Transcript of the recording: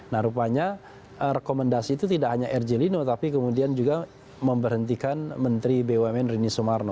nah rupanya rekomendasi itu tidak hanya rj lino tapi kemudian juga memberhentikan menteri bumn rini sumarno